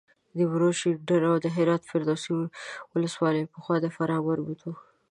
نیمروز، شینډنداو د هرات فرسي ولسوالۍ پخوا د فراه مربوط وه.